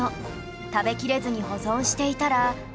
食べきれずに保存していたら